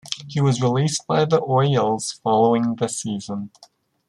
He was released by the Orioles following the season.